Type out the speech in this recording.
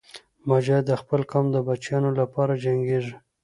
مجاهد د خپل قوم د بچیانو لپاره جنګېږي.